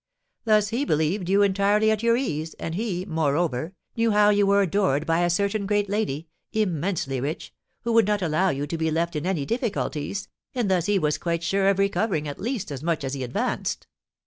Thus he believed you entirely at your ease, and he, moreover, knew how you were adored by a certain great lady, immensely rich, who would not allow you to be left in any difficulties, and thus he was quite sure of recovering at least as much as he advanced.